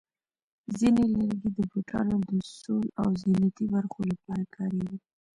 ځینې لرګي د بوټانو د سول او زینتي برخو لپاره کارېږي.